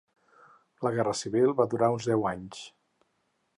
La guerra civil va durar uns deu anys.